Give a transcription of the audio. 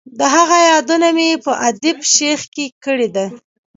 د هغه یادونه مې په ادیب شیخ کې کړې ده.